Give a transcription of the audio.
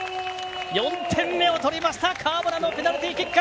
４点目を取りました川村のペナルティーキック！